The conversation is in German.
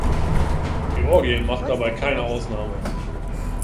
Georgien macht dabei keine Ausnahme.